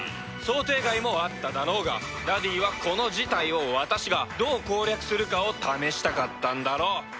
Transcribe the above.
想定外もあっただろうがダディーはこの事態を私がどう攻略するかを試したかったんだろう